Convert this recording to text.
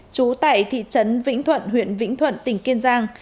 trú tại thị trấn vĩnh thuận huyện vĩnh thuận tỉnh kiên giang